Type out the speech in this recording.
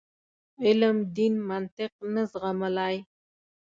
علم دین منطق نه زغملای.